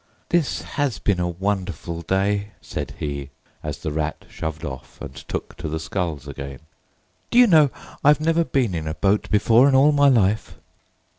"This has been a wonderful day!" said he, as the Rat shoved off and took to the sculls again. "Do you know, I've never been in a boat before in all my life."